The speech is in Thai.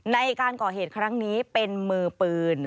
ในการก่อเหตุครั้งนี้เป็นมือปืน